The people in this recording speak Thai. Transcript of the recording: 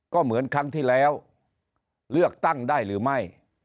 ก็เหมือนครั้งที่แล้วเลือกตั้งได้หรือไม่